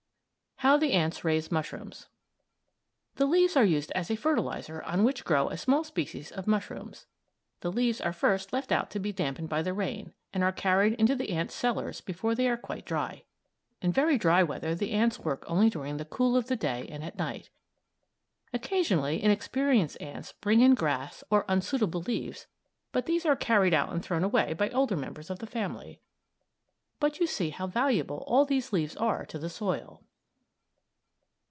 HOW THE ANTS RAISE MUSHROOMS The leaves are used as a fertilizer on which grow a small species of mushrooms. The leaves are first left out to be dampened by the rain, and are carried into the ants' cellars before they are quite dry. In very dry weather the ants work only during the cool of the day and at night. Occasionally inexperienced ants bring in grass or unsuitable leaves, but these are carried out and thrown away by older members of the family. But you see how valuable all these leaves are to the soil.